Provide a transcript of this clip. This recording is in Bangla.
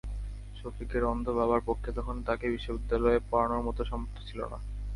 শফিকের অন্ধ বাবার পক্ষে তখন তাকে বিশ্ববিদ্যালয়ে পড়ানোর মতো সামর্থ্য ছিল না।